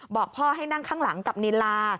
บอกพ่อให้นั่งข้างหลังกับนิลา